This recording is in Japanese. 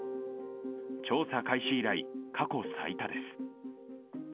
調査開始以来、過去最多です。